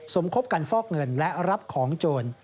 สมคบกันฟอกเงินและรับของโจร